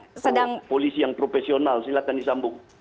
saya akan dikandung oleh polisi yang profesional silahkan disambung